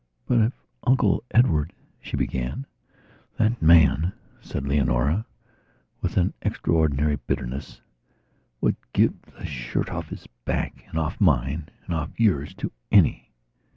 "But if Uncle Edward..." she began. "That man," said Leonora, with an extraordinary bitterness, "would give the shirt off his back and off mineand off yours to any..."